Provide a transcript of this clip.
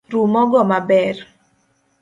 Ru mogo maber